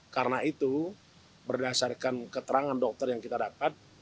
karena itu berdasarkan keterangan dokter yang kita dapat